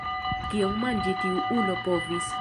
Kiom manĝi tiu ulo povis!